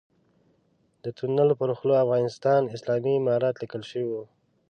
د تونل پر خوله افغانستان اسلامي امارت ليکل شوی و.